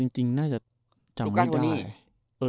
จริงน่าจะจำไม่ได้